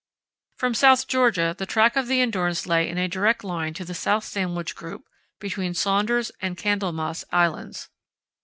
From South Georgia the track of the Endurance lay in a direct line to the South Sandwich Group, between Saunders and Candlemas Islands.